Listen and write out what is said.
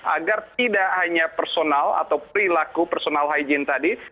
agar tidak hanya personal atau perilaku personal hygiene tadi